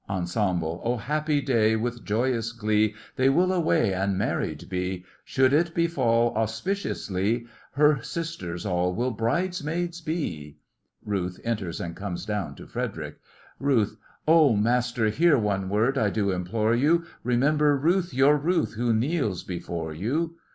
ENSEMBLE: Oh, happy day, with joyous glee They will away and married be! Should it befall auspiciously, Her (Our) sisters all will bridesmaids be! (RUTH enters and comes down to FREDERIC) RUTH: Oh, master, hear one word, I do implore you! Remember Ruth, your Ruth, who kneels before you!